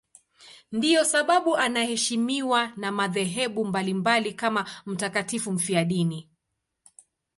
Ndiyo sababu anaheshimiwa na madhehebu mbalimbali kama mtakatifu mfiadini.